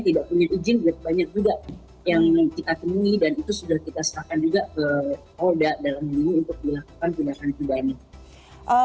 tidak punya izin banyak juga yang kita temui dan itu sudah kita setakan juga ke roda dalam lintungan untuk dilakukan pindahan kebanyakan